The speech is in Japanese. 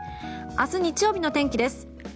明日、日曜日の天気です。